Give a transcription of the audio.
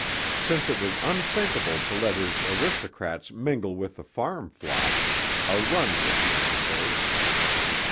Since it was unthinkable to let his aristocrats mingle with the farm flock, a run was necessary.